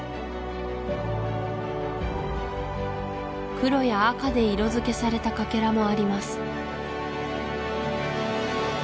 黒や赤で色づけされたかけらもあります